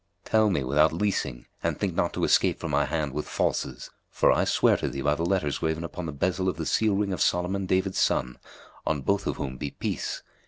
Tell me without leasing and think not to escape from my hand with falses, for I swear to thee by the letters graven upon the bezel of the seal ring of Solomon David son (on both of whom be peace!)